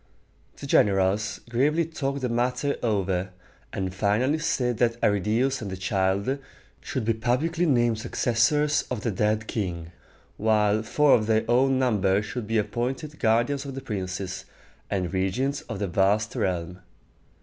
The generals gravely talked the matter over, and finally said that Arridæus and the child should be publicly named successors of the dead king, while four of their own number should be appointed guardians of the princes, and regents of the vast realm.